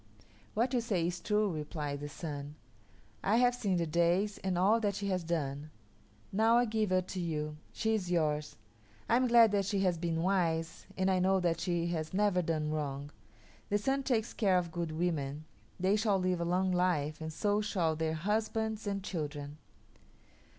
"What you say is true," replied the Sun. "I have seen the days and all that she has done. Now I give her to you. She is yours. I am glad that she has been wise, and I know that she has never done wrong. The Sun takes care of good women; they shall live a long time, and so shall their husbands and children.